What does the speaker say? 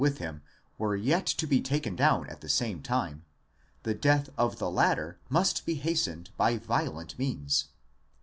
70Οὲ with him were yet to be taken down at the same time, the death of the latter must be hastened by violent means.